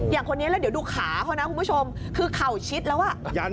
คนนี้แล้วเดี๋ยวดูขาเขานะคุณผู้ชมคือเข่าชิดแล้วอ่ะ